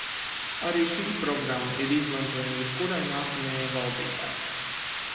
Arī šī programma ir izmantojama jebkurai nākamajai valdībai.